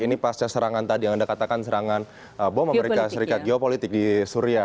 ini pasca serangan tadi yang anda katakan serangan bom amerika serikat geopolitik di suria